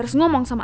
ada kesempatan awak